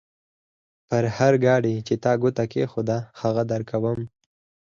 پر هر ګاډي چې تا ګوته کېښوده؛ هغه درکوم.